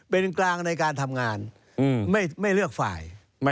เป็นกลางในการทำงานไม่เลือกฝ่าย